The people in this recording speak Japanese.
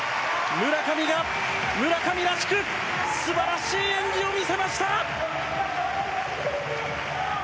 村上が村上らしく素晴らしい演技を見せました！